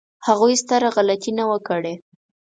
هغوی ستره غلطي نه وه کړې.